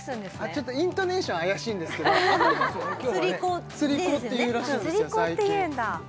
ちょっとイントネーションは怪しいんですけどスリコって言うらしいんですよ